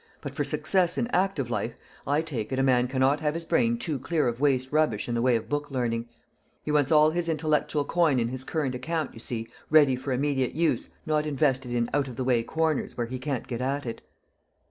But for success in active life, I take it, a man cannot have his brain too clear of waste rubbish in the way of book learning. He wants all his intellectual coin in his current account, you see, ready for immediate use, not invested in out of the way corners, where he can't get at it."